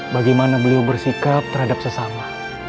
bagaimana beliau bersikap terhadap sesama